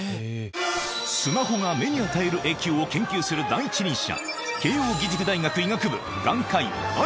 スマホが目に与える影響を研究する第一人者